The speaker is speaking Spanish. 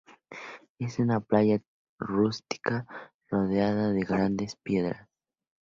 Es una playa rústica rodeada de grandes piedras.